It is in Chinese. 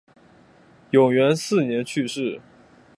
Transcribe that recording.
永元四年去世。